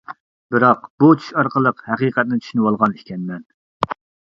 بىراق، بۇ چۈش ئارقىلىق ھەقىقەتنى چۈشىنىۋالغان ئىكەنمەن.